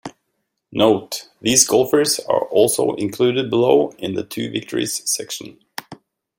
Note: These golfers are also included below in the "Two victories" section.